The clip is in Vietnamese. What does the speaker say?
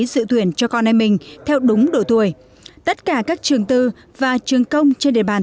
dự tuyển cho con em mình theo đúng độ tuổi tất cả các trường tư và trường công trên địa bàn